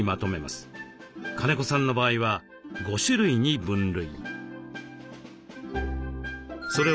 金子さんの場合は５種類に分類。